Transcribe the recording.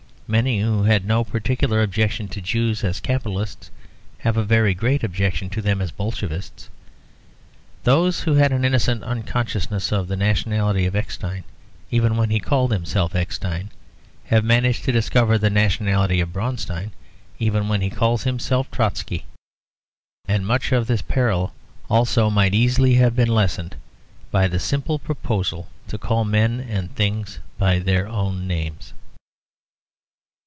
Many who had no particular objection to Jews as Capitalists have a very great objection to them as Bolshevists. Those who had an innocent unconsciousness of the nationality of Eckstein, even when he called himself Eckstein, have managed to discover the nationality of Braunstein, even, when he calls, himself Trotsky. And much of this peril also might easily have been lessened, by the simple proposal to call men and things by their own names.